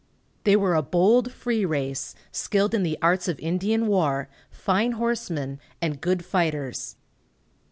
They were a bold, free race, skilled in the arts of Indian war, fine horsemen, and good fighters.